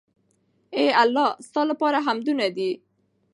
اې الله ! ستا لپاره حمدونه دي